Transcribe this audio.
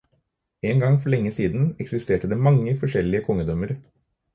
En gang for lenge siden eksisterte det mange forskjellige kongedømmer